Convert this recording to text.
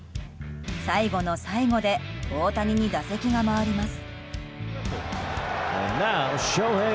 最後の最後で大谷に打席が回ります。